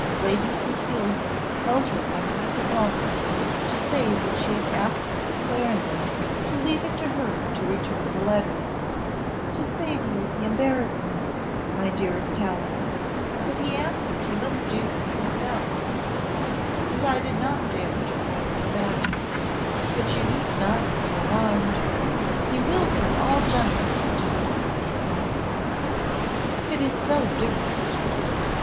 Lady Cecilia held her one instant longer, to say that she had asked Clarendon to leave it to her to return the letters, "to save you the embarrassment, my dearest Helen; but he answered he must do this himself, and I did not dare to press the matter; but you need not be alarmed, he will be all gentleness to you, he said, 'it is so different.